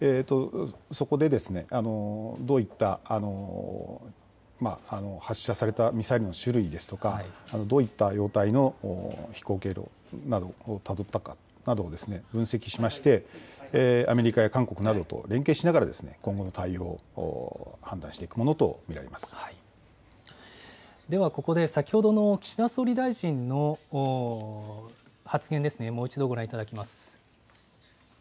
そこでどういった発射されたミサイルの種類ですとか、どういった状態の飛行経路などをたどったか、などを分析しまして、アメリカや韓国などと連携しながら今後の対応を判断していくものではここで先ほどの岸田総理大臣の発言ですね、もう一度ご覧いただきます。